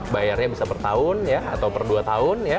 bayarnya bisa per tahun atau per dua tahun ya